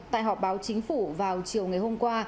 tại họp báo chính phủ vào chiều ngày hôm qua